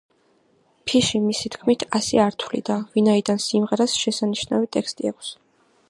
ფიში, მისი თქმით, ასე არ თვლიდა, ვინაიდან სიმღერას შესანიშნავი ტექსტი აქვს.